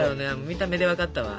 見た目で分かったわ。